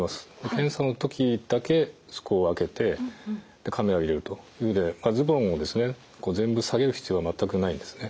検査の時だけそこを開けてカメラを入れるというのでズボンを全部下げる必要は全くないんですね。